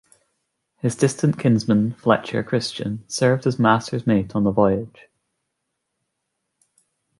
His distant kinsman Fletcher Christian served as master's mate on the voyage.